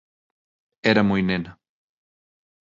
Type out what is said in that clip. Era moi nena.